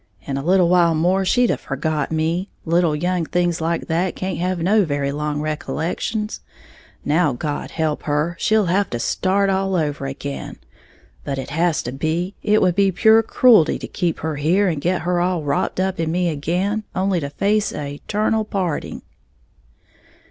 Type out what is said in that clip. In a little while more she'd have forgot me, little young things like that can't have no very long recollections. Now, God help her, she'll have to start all over again. But it has to be, it would be pure cruelty to keep her here and get her all wropped up in me again, only to face a' eternal parting."